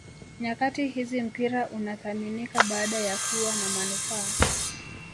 nyakati hizi mpira unathaminika baada ya kuwa na manufaa